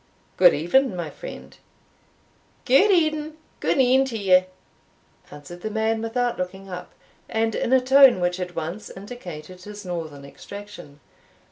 "Good even, my friend." "Gude e'en gude e'en t'ye," answered the man, without looking up, and in a tone which at once indicated his northern extraction.